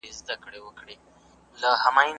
ما نن د ساینسپوهانو د ژوند په اړه ولوستل.